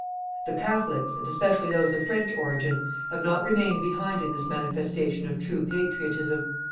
"The Catholics, and especially those of French origin, have not remained behind in this manifestation of true patriotism.